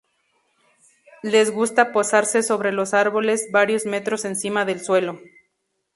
Les gusta posarse sobre los árboles, varios metros encima del suelo.